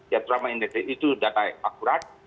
itu data yang akurat